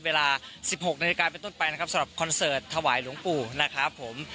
เวลา๑๖นาฬิกาเป็นต้นไปนะครับสำหรับคอนเสิร์ตถวายหลวงปู่นะครับผม